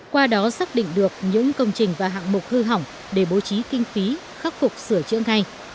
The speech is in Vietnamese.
qua đó xác định được những công trình và hạng mục hư hỏng để bố trí kinh phí khắc phục sửa chữa ngay